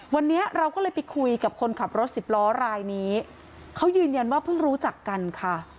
วันนี้เราก็เลยไปคุยกับคนขับรถสิบล้อรายนี้เขายืนยันว่าเพิ่งรู้จักกันค่ะ